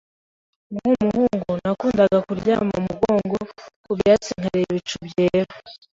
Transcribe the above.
Nkumuhungu, nakundaga kuryama umugongo ku byatsi nkareba ibicu byera.